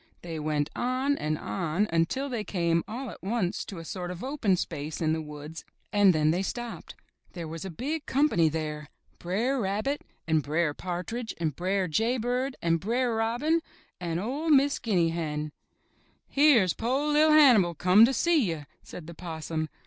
They went on and on until they came, all at once, to a sort of open space in the woods and then they stopped. There was a big company 140 UP ONE PAIR OF STAIRS there — Br'er Rabbit, and Br'er Partridge, and Br'er Jay Bird, and Br'er Robin, and Or Miss Guinea Hen. ''Here's Po' LVV Hannibal come to see you,*' said the Possum.